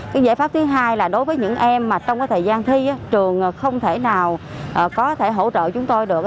cái giải pháp thứ hai là đối với những em mà trong cái thời gian thi trường không thể nào có thể hỗ trợ chúng tôi được